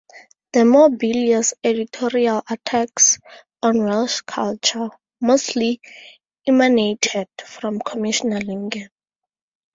The more bilious editorial attacks on Welsh culture mostly emanated from Commissioner Lingen.